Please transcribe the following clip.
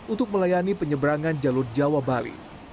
untuk melayani penyeberangan jalur jawa bali